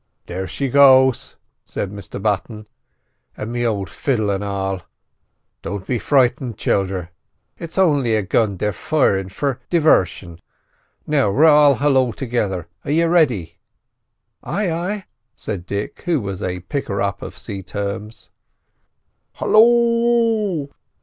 "There she goes," said Mr Button; "an' me old fiddle an' all. Don't be frightened, childer; it's only a gun they're firin' for divarsion. Now we'll all halloo togither—are yiz ready?" "Ay, ay," said Dick, who was a picker up of sea terms. "Halloo!"